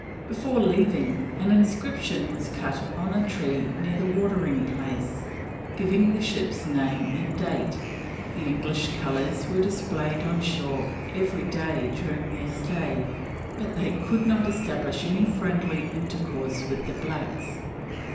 Before leaving, an inscription was cut on a tree near the watering place, giving the ship's name and date; the English colours were displayed on shore every day during their stay, but they could not establish any friendly intercourse with the blacks.